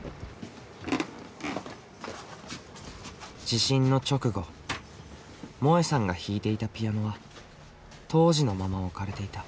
地震の直後もえさんが弾いていたピアノは当時のまま置かれていた。